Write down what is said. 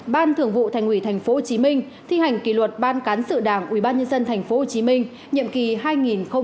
ban thưởng vụ thành ủy tp hcm thi hành kỷ luật ban cán sự đảng ủy ban nhân dân tp hcm nhiệm kỳ hai nghìn một mươi một hai nghìn một mươi sáu